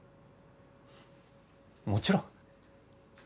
もちろん。